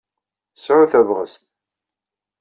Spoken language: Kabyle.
Sɛu tabɣest.